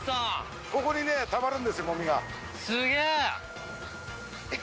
ここにねたまるんですよもみが。